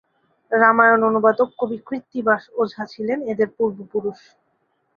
রামায়ণ অনুবাদক কবি কৃত্তিবাস ওঝা ছিলেন এঁদের পূর্বপুরুষ।